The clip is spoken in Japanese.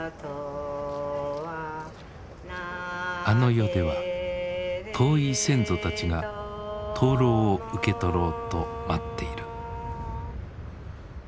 あの世では遠い先祖たちが灯籠を受け取ろうと待っている。